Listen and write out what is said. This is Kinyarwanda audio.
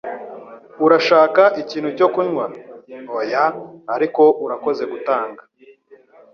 Urashaka ikintu cyo kunywa?" "Oya, ariko urakoze gutanga."